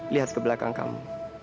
lihat ke belakang kamu